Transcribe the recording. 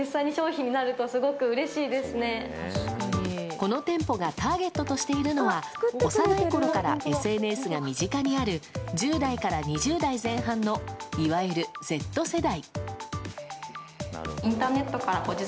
この店舗がターゲットとしているのは幼いころからＳＮＳが身近にある１０代から２０代前半のいわゆるＺ世代。